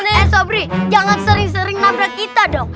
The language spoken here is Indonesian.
nenek sobri jangan sering sering nabrak kita dong